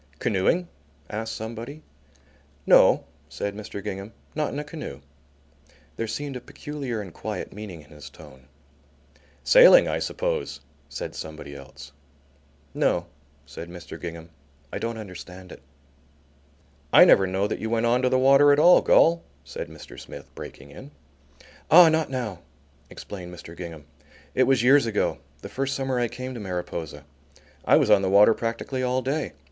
"Canoeing?" asked somebody. "No," said Mr. Gingham, "not in a canoe." There seemed a peculiar and quiet meaning in his tone. "Sailing, I suppose," said somebody else. "No," said Mr. Gingham. "I don't understand it." "I never knowed that you went on to the water at all, Gol," said Mr. Smith, breaking in. "Ah, not now," explained Mr. Gingham; "it was years ago, the first summer I came to Mariposa. I was on the water practically all day.